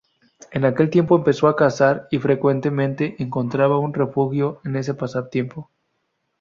En aquel tiempo empezó a cazar y frecuentemente encontraba un refugio en ese pasatiempo.